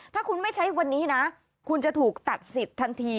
ถ้าคุณไม่ใช้วันนี้นะคุณจะถูกตัดสิทธิ์ทันที